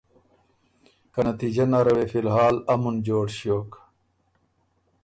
که نتیجۀ نره وې فی الحال امُن جوړ ݭیوک۔